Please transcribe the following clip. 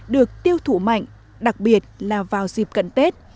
được tiêu thủ mạnh đặc biệt là vào dịp cận tết